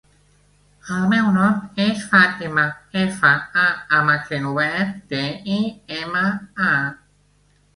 El meu nom és Fàtima: efa, a amb accent obert, te, i, ema, a.